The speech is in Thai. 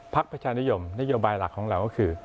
ประชานิยมนโยบายหลักของเราก็คือ